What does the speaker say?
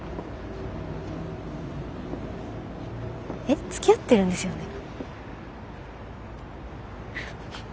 えっつきあってるんですよね？